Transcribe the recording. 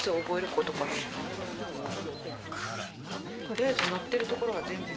とりあえず載ってるところは全部。